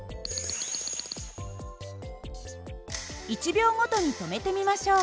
１秒ごとに止めてみましょう。